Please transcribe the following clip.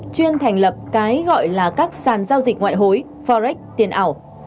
chuyên thành lập cái gọi là các sàn giao dịch ngoại hối forex tiền ảo